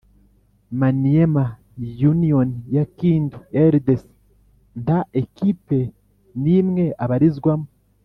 maniema union ya kindu/rdc,nta equipe nimwe abarizwamo